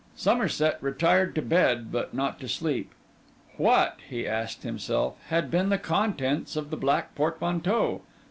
Somerset retired to bed but not to sleep. What, he asked himself, had been the contents of the black portmanteau?